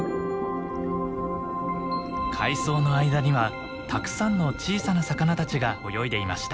海藻の間にはたくさんの小さな魚たちが泳いでいました。